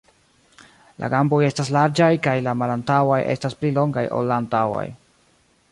La gamboj estas larĝaj kaj la malantaŭaj estas pli longaj ol la antaŭaj.